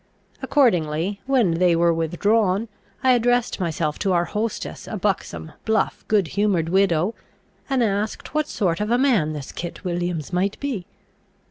Accordingly, when they were withdrawn, I addressed myself to our hostess, a buxom, bluff, good humoured widow, and asked what sort of a man this Kit Williams might be?